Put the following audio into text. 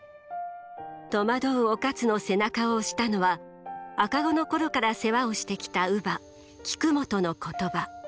戸惑う於一の背中を押したのは赤子の頃から世話をしてきた乳母菊本の言葉。